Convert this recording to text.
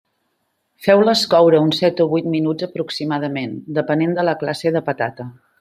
Feu-les coure uns set o vuit minuts aproximadament, depenent de la classe de patata.